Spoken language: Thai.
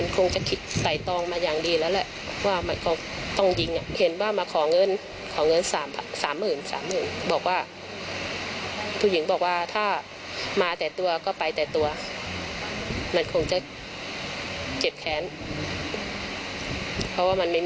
คงจะอย่างนั้นนะ